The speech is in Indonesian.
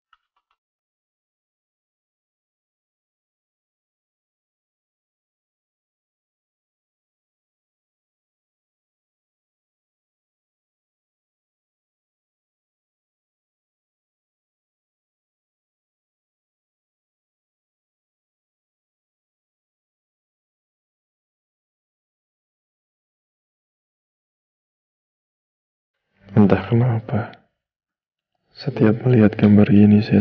kalau begitu saya permisi pak